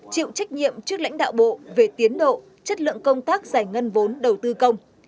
chịu trách nhiệm trước lãnh đạo bộ về tiến độ chất lượng công tác giải ngân vốn đầu tư công